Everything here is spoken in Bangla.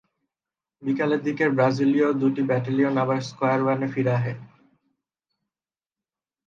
বিকালের দিকে ব্রাজিলীয় দুটি ব্যাটেলিয়ন আবার স্কয়ার ওয়ানে ফিরে আসে।